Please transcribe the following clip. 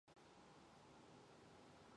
Өнөөгийн Кабул нь олон өнгө төрхтэй хот билээ.